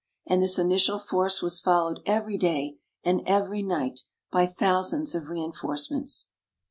And this initial force was followed every day and every night by thousands of reinforcements.